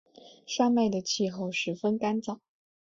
山脉的气候十分干燥。